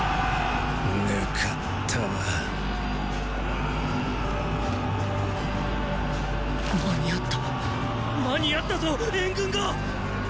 抜かったわ間に合った間に合ったぞ援軍が！